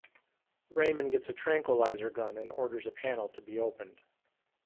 Ramon gets a tranquilizer gun and orders a panel to be opened.